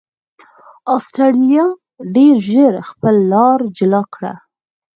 اسټرالیا ډېر ژر خپله لار جلا کړه.